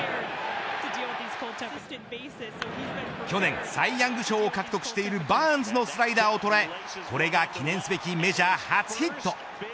去年サイ・ヤング賞を獲得しているバーンズのスライダーをとらえこれが記念すべきメジャー初ヒット。